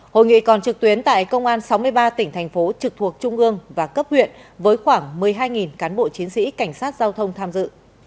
hội nghị còn trực tuyến tại công an sáu mươi ba tỉnh thành phố trực thuộc trung ương và cấp huyện với khoảng một mươi hai cán bộ chiến sĩ cảnh sát giao thông tham dự